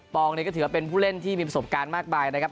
องเนี่ยก็ถือว่าเป็นผู้เล่นที่มีประสบการณ์มากมายนะครับ